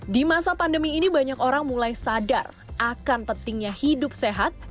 di masa pandemi ini banyak orang mulai sadar akan pentingnya hidup sehat